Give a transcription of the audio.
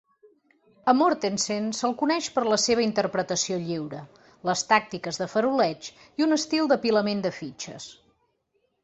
A Mortensen se'l coneix per la seva interpretació lliure, les tàctiques de faroleig i un estil d'apilament de fitxes.